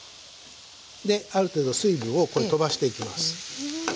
である程度水分をとばしていきます。